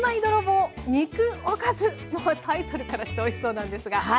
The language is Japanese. タイトルからしておいしそうなんですが。